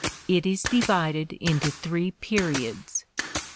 It is divided into three periods.